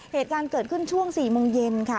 เหตุการณ์เกิดขึ้นช่วง๔โมงเย็นค่ะ